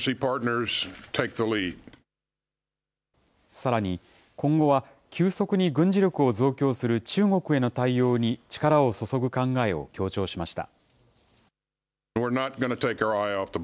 さらに、今後は急速に軍事力を増強する中国への対応に力を注ぐ考えを強調しました。